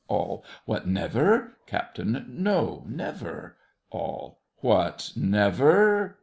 ALL. What, never? CAPT. No, never! ALL. What, never?